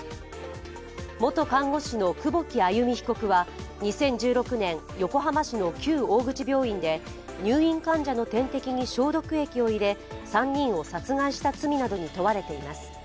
元看護師の久保木愛弓被告は２０１６年、横浜市の旧大口病院で入院患者の点滴に消毒液を入れ３人を殺害した罪などに問われています。